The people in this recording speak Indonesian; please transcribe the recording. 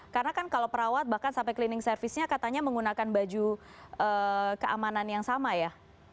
karena kan kalau perawat bahkan sampai cleaning service nya katanya menggunakan baju keamanan yang sama ya